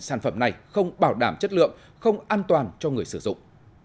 sản phẩm này không bảo đảm chất lượng không an toàn cho người sử dụng